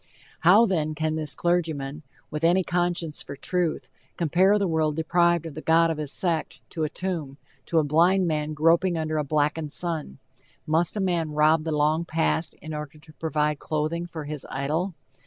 How, then, can this clergyman, with any conscience for truth, compare a world deprived of the god of his sect, to a tomb to a blind man groping under a blackened sun? Must a man rob the long past in order to provide clothing for his idol?